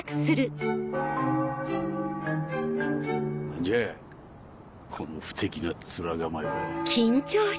何じゃあこの不敵な面構えは。